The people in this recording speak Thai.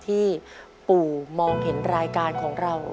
ที่ปู่มองเห็นรายการของเรา